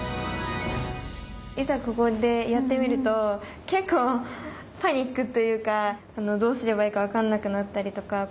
いざここでやってみると結構パニックというかどうすればいいか分かんなくなったりとか。